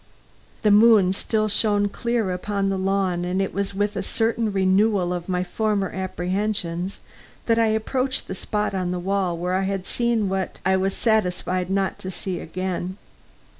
The moon still shone clear upon the lawn, and it was with a certain renewal of my former apprehensions that I approached the spot on the wall where I had seen what I was satisfied not to see again.